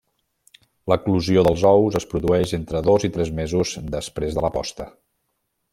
L'eclosió dels ous es produeix entre dos i tres mesos després de la posta.